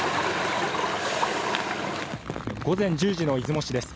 午前１０時の出雲市です。